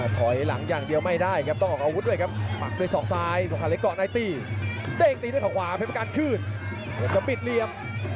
เสียบเข้าขวาเพื่อเป็นการคืนจะปิดเลียม